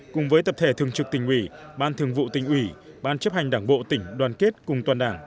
cùng với tập thể thường trực tỉnh ủy ban thường vụ tỉnh ủy ban chấp hành đảng bộ tỉnh đoàn kết cùng toàn đảng